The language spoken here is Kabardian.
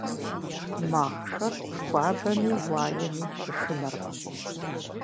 Махъшэр хуабэми уаеми щышынэркъым.